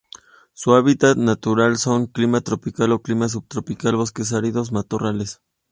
Su hábitat natural son: Clima tropical o Clima subtropical bosques áridos, Matorrales.